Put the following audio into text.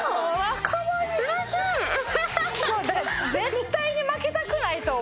今日だから絶対に負けたくないと思って。